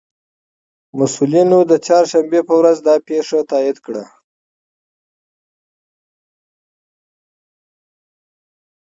مسئولینو د چهارشنبې په ورځ دا پېښه تائید کړه